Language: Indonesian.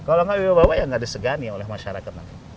kalau nggak wibawa ya nggak disegani oleh masyarakat